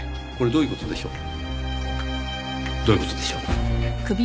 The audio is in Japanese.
どういう事でしょう？